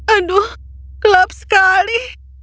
aduh gelap sekali